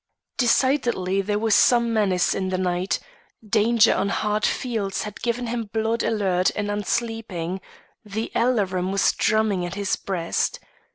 Decidedly there was some menace in the night; danger on hard fields had given him blood alert and unsleeping; the alarum was drumming at his breast.